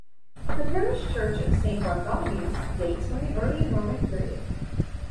The parish church of Saint Bartholomew's dates from the early Norman period.